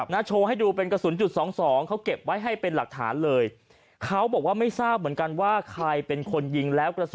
นะโชว์ให้ดูเป็นกระสุนจุด๒๒เขาเก็บไว้ให้เป็นหลักฐานเลย